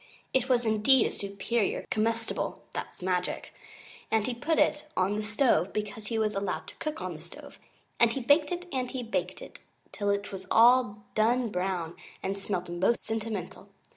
It was indeed a Superior Comestible (that's magic), and he put it on stove because he was allowed to cook on the stove, and he baked it and he baked it till it was all done brown and smelt most sentimental.